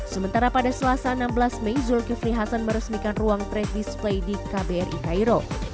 sementara pada selasa enam belas mei zulkifli hasan meresmikan ruang trade display di kbri cairo